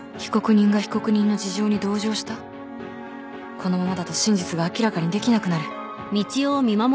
このままだと真実が明らかにできなくなる